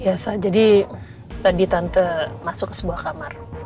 ya sa jadi tadi tante masuk ke sebuah kamar